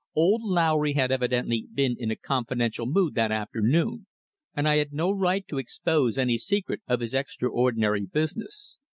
Old Lowry had evidently been in a confidential mood that afternoon, and I had no right to expose any secret of his extraordinary business.